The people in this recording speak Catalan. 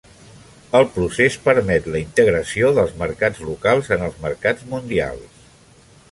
El procés permet la integració dels mercats locals en els mercats mundials.